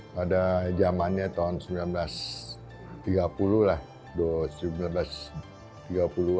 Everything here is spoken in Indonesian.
pada zamannya tahun seribu sembilan ratus tiga puluh lah